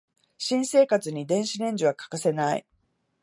新生活に電子レンジは欠かせない